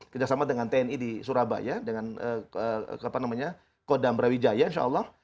kerjasama dengan tni di surabaya dengan kodam brawijaya insya allah